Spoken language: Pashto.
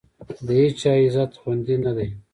د هېچا عزت خوندي نه دی.